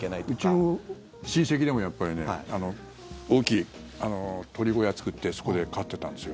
うちの親戚でもやっぱり大きい鳥小屋作ってそこで飼ってたんですよ。